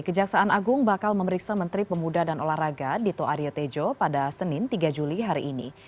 kejaksaan agung bakal memeriksa menteri pemuda dan olahraga dito aryo tejo pada senin tiga juli hari ini